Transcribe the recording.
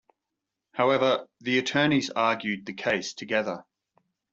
However, the attorneys argued the case together.